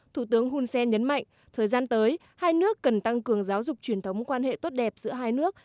thủ tướng hun sen nhấn mạnh thời gian tới hai nước cần tăng cường giáo dục truyền thống quan hệ tốt đẹp giữa hai nước